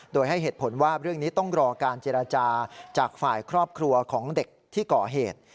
โดยให้เหตุผลว่าเรื่องนี้ต้องรอการเจรจาจากฝ่ายครอบครัวของเด็กที่ก่อเหตุ